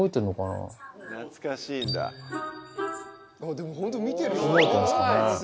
でもホント見てる。